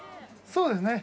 そうですね。